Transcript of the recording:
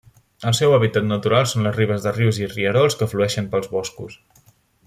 El seu hàbitat natural són les ribes de rius i rierols que flueixen pels boscos.